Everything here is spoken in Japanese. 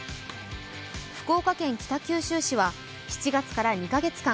福岡県北九州市は７月から２カ月間